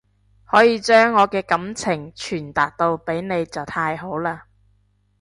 可以將我嘅感情傳達到俾你就太好喇